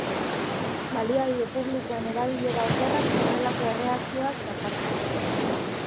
Baliabide publikoen erabilera okerrak horrelako erreakzioak dakartza.